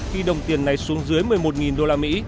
khi đồng tiền này xuống dưới một mươi một usd